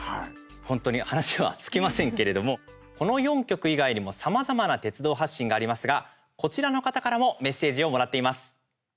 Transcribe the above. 本当に話は尽きませんけれどもこの４局以外にもさまざまな鉄道発信がありますが、こちらの方からもメッセージをもらっています。